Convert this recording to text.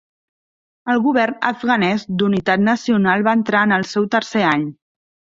El govern afganès d'unitat nacional va entrar en el seu tercer any.